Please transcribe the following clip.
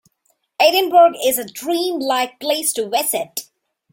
Edinburgh is a dream-like place to visit.